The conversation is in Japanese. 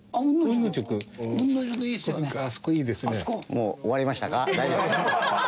もう終わりましたか？